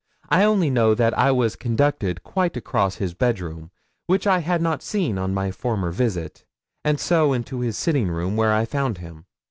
I only know that I was conducted quite across his bedroom, which I had not seen on my former visit, and so into his sitting room, where I found him.